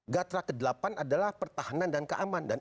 gatra ke delapan adalah pertahanan dan keamanan